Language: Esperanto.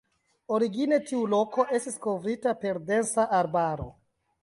Origine tiu loko estis kovrita per densa arbaro.